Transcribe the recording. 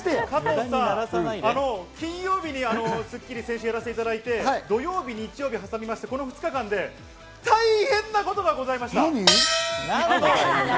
加藤さん、金曜日に『スッキリ』で先週やらせていただいて、土曜日と日曜日を挟みまして、この２日間で大変なことがございました。